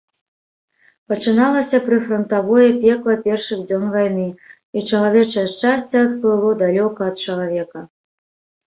Пачыналася прыфрантавое пекла першых дзён вайны, і чалавечае шчасце адплыло далёка ад чалавека.